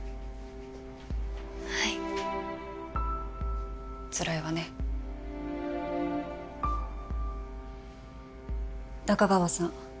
はいつらいわね仲川さん